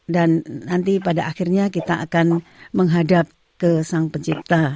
dan nanti pada akhirnya kita akan menghadap ke sang pencipta